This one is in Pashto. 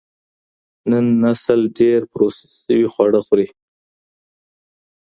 نن نسل ډېر پروسس شوي خواړه خوري.